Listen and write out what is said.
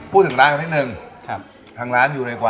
พูดถึงร้านกันนิดหนึ่งครับ